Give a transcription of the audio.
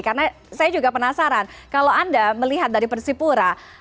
karena saya juga penasaran kalau anda melihat dari persipura